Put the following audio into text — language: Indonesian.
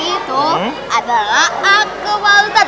itu adalah akubah ustaz